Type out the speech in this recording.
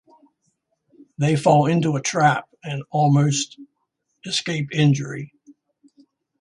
They fall into a trap and almost escape injury.